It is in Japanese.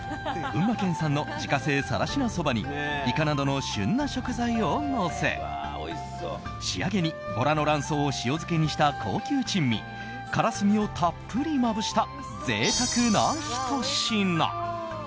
群馬県産の自家製更科そばにイカなどの旬な食材をのせ仕上げに、ボラの卵巣を塩漬けにした高級珍味からすみをたっぷりまぶした贅沢なひと品。